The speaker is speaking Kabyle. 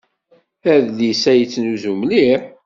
Adlis-a yettnuzu mliḥ.